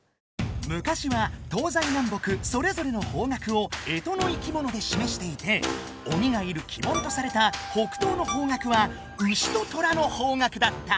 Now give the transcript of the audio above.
むかしは東西南北それぞれの方角をえとの生きものでしめしていて鬼がいる「鬼門」とされた北東の方角は丑と寅の方角だった。